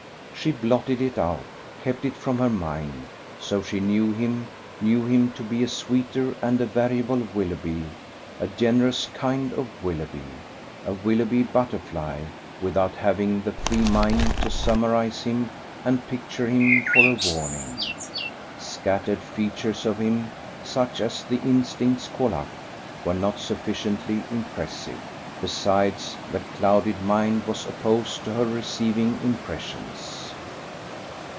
She blotted it out, kept it from her mind: so she knew him, knew him to be a sweeter and a variable Willoughby, a generous kind of Willoughby, a Willoughby butterfly, without having the free mind to summarize him and picture him for a warning. Scattered features of him, such as the instincts call up, were not sufficiently impressive. Besides, the clouded mind was opposed to her receiving impressions.